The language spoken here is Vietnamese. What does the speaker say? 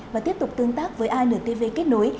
và tiếp tục tương tác với antv kết nối